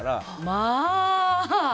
まあ。